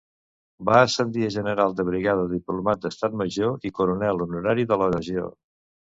Va ascendir a general de brigada, diplomat d'Estat Major i coronel honorari de la Legió.